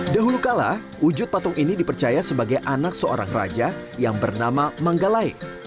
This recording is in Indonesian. dahulu kala wujud patung ini dipercaya sebagai anak seorang raja yang bernama manggalai